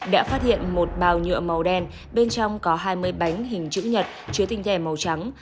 đã phát hiện một bào nhựa màu đen bên trong có hai mươi bánh hình chữ nhật chứa tinh thể màu trắng